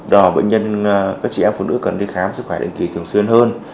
đó là bệnh nhân các chị em phụ nữ cần đi khám sức khỏe định kỳ thường xuyên hơn